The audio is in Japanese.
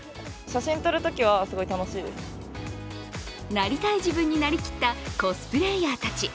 なりたい自分になりきったコスプレーヤーたち。